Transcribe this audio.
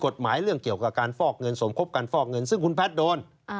ซึ่งคุณพระโดน